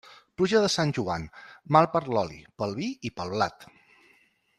Pluja de Sant Joan, mal per l'oli, pel vi i pel blat.